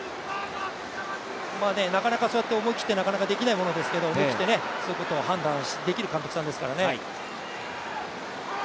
なかなかそうやって思い切ってできないものですけれども、思い切ってそういうことを判断できる監督さんですからね。